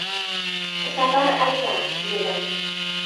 — Safar aka, — dedim.